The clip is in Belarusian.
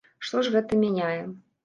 Што ж гэта мяняе?